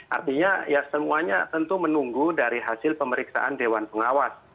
artinya ya semuanya tentu menunggu dari hasil pemeriksaan dewan pengawas